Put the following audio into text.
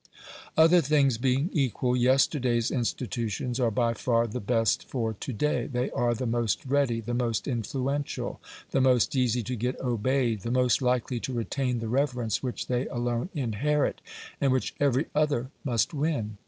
Other things being equal, yesterday's institutions are by far the best for to day; they are the most ready, the most influential, the most easy to get obeyed, the most likely to retain the reverence which they alone inherit, and which every other must win.